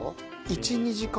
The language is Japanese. １２時間。